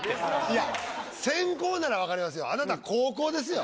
いや先攻ならわかりますよ。